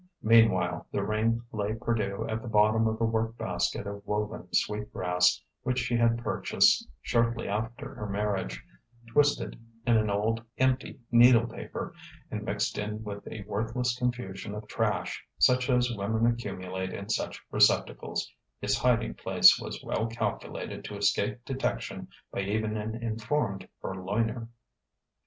Meanwhile, the ring lay perdue at the bottom of a work basket of woven sweet grass which she had purchased shortly after her marriage; twisted in an old, empty needle paper and mixed in with a worthless confusion of trash, such as women accumulate in such receptacles, its hiding place was well calculated to escape detection by even an informed purloiner.